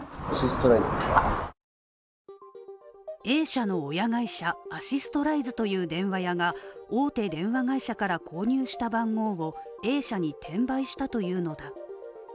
Ａ社の親会社、アシストライズという電話屋が大手電話会社から購入した番号をＡ社に転売したというのだ。